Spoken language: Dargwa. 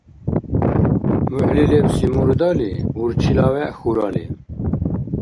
МухӀли лебси — мурдали, урчила вегӀ — хьурали.